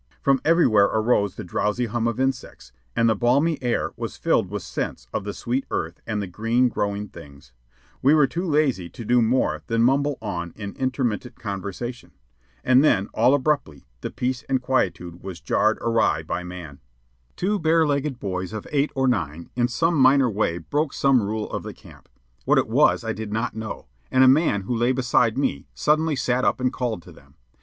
From everywhere arose the drowsy hum of insects, and the balmy air was filled with scents of the sweet earth and the green growing things. We were too lazy to do more than mumble on in intermittent conversation. And then, all abruptly, the peace and quietude was jarred awry by man. Two bare legged boys of eight or nine in some minor way broke some rule of the camp what it was I did not know; and a man who lay beside me suddenly sat up and called to them.